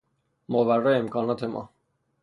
ماوراء امکانات ما